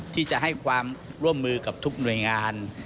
ที่จะให้ความร่วมมือกับทุกหน่วยงาน